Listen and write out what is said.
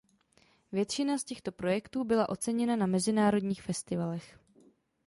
Většina z těchto projektů byla oceněna na mezinárodních festivalech.